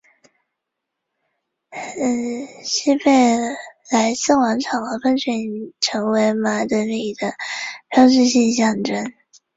西贝莱斯广场和喷泉已成为马德里的标志性象征。